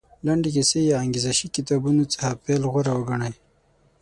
لنډې کیسې یا انګېزه شي کتابونو څخه پیل غوره وګڼي.